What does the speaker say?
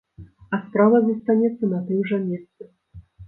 А справа застанецца на тым жа месцы.